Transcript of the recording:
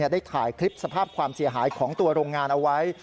ได้ถ่ายคลิปสภาพความเสียหายของตัวโรงงานเอาไว้